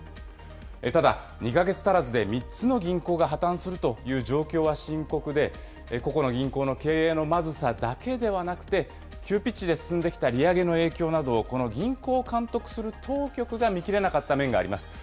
ただ、２か月足らずで３つの銀行が破綻するという状況は深刻で、個々の銀行の経営のまずさだけではなくて、急ピッチで進んできた利上げの影響などを、この銀行を監督する当局が見切れなかった面があります。